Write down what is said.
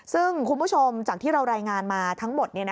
ซึ่งคุณผู้ชมจากที่เรารายงานมาทั้งหมด